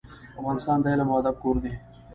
افغانستان د علم او ادب کور دی.